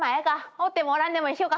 おってもおらんでも一緒か。